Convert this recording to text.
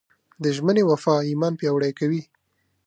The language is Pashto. د ژمنې وفا ایمان پیاوړی کوي.